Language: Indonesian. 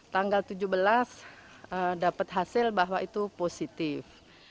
tanggal tujuh belas dapat hasil bahwa itu positif